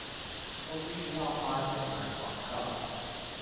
都不需要花錢買廣告